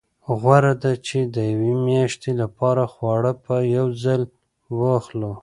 غوره ده چې د یوې میاشتې لپاره خواړه په یو ځل واخلو.